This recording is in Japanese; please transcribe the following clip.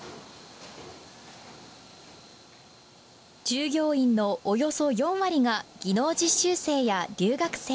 従業員のおよそ４割が技能実習生や留学生。